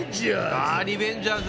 あリベンジャーズ。